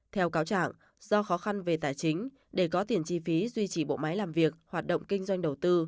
theo cáo trạng do khó khăn về tài chính để có tiền chi phí duy trì bộ máy làm việc hoạt động kinh doanh đầu tư